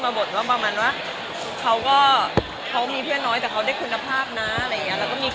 เราก็เลยเออเราเข้าใจเพื่อนเราเรารู้เพื่อนเราเป็นยังไง